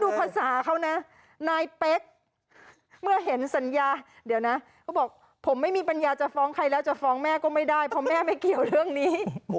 ภาษาเขานะนายเป๊กเมื่อเห็นสัญญาเดี๋ยวนะเขาบอกผมไม่มีปัญญาจะฟ้องใครแล้วจะฟ้องแม่ก็ไม่ได้เพราะแม่ไม่เกี่ยวเรื่องนี้